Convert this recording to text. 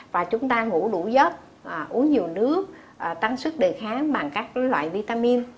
và chúng ta ngủ đủ dớt uống nhiều nước tăng sức đề kháng bằng các loại vitamin